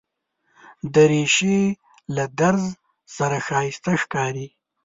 دریشي له درز سره ښایسته ښکاري.